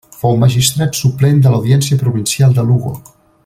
Fou magistrat suplent de l'Audiència Provincial de Lugo.